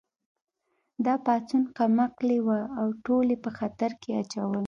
دا پاڅون کم عقلې وه او ټول یې په خطر کې اچول